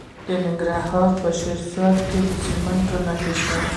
د ننګرهار په شیرزاد کې د سمنټو مواد شته.